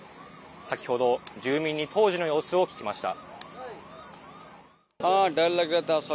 先ほど、住民に当時の様子を聞きました。